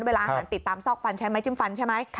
เวลาอาหารติดตามซอกฟันใช้ไม้จิ้มฟันใช่ไหม